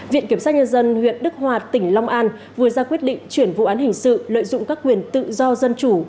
viện kiểm sát nhân dân huyện đức hòa tỉnh long an vừa ra quyết định chuyển vụ án hình sự lợi dụng các quyền tự do dân chủ